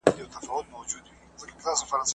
که داغ وپېژندل سي نو مینځل یې اسانه وي.